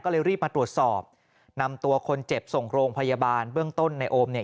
ก็เลยรีบมาตรวจสอบนำตัวคนเจ็บส่งโรงพยาบาลเบื้องต้นในโอมเนี่ย